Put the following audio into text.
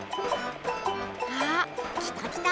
あっきたきた！